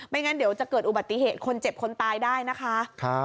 งั้นเดี๋ยวจะเกิดอุบัติเหตุคนเจ็บคนตายได้นะคะ